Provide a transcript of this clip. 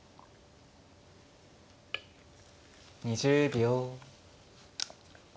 ２０秒。